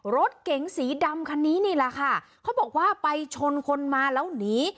รถเก๋งสีดำคันนี้นี่แหละค่ะเขาบอกว่าไปชนคนมาแล้วหนี